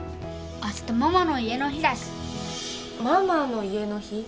明日ママの家の日だしママの家の日？